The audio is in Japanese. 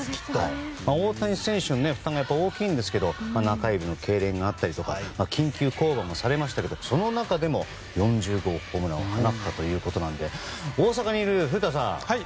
大谷選手の負担が大きいんですけど中指のけいれんがあったりとか緊急降板もされましたけどその中でも、４０号ホームランを放ったということなので大阪にいる古田さん